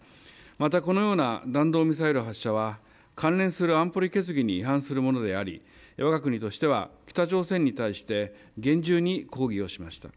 また、このような弾道ミサイル発射は、関連する安保理決議に違反するものであり、わが国としては北朝鮮に対して、厳重に抗議をしました。